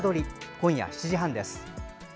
今夜７時半です。